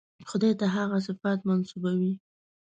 خدای ته هغه صفات منسوبوي.